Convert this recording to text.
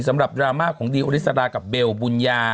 สำหรับดราม่าของดิลอลิซาร์กับเบลบุญญา